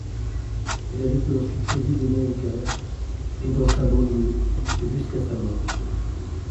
Elle a vécu ensuite paisiblement, au Caire et dans sa banlieue, jusqu'à sa mort.